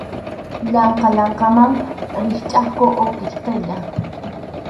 Yaqa llankaman rikchʼakuq uqi qʼillay.